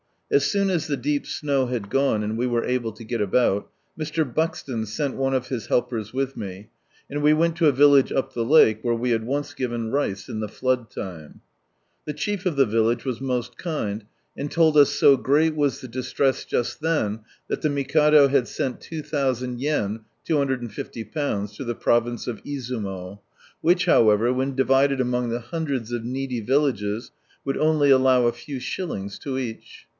As soon as the deep snow liad gone, and we were able to get about, Mr. Buxton sent one of his helpers with me, and we went to a village up the lake, where we had once given rice in the flood time. The chief of the village was most kind, and told us so great was the distress just then, that the Mikado had sent 2,000 yen (£2^"^) to the province of Iztimo, which, however, when divided among the hundreds of needy villages, would only allow a few shillings to each.